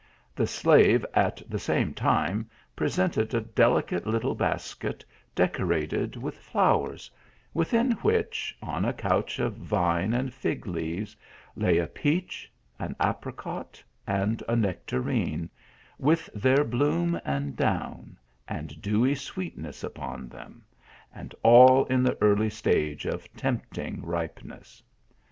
The slave at the same time presented a delicate little basket decorated with flowers, within which, on a couch of vine and fig leaves, lay a peach, an apricot, and a nectarine, with 138 THE ALHAMBRA. their bloom and down, and dewy sweetness upon them, and all in the early stage of tempting ripeness.